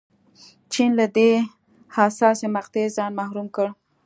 چین له دې حساسې مقطعې ځان محروم کړ.